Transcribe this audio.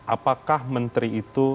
apakah menteri itu